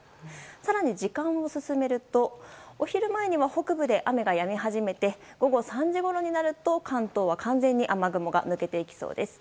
更に時間を進めるとお昼前には北部で雨がやみ始めて午後３時ごろになると関東は完全に雨雲が抜けていきそうです。